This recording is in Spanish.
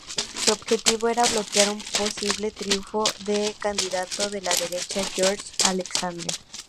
Su objetivo era bloquear un posible triunfo del candidato de la derecha, Jorge Alessandri.